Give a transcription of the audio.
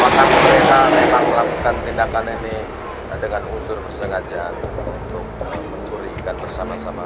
kalau kami mereka memang melakukan tindakan ini dengan usur bersengaja untuk mencuri ikan bersama sama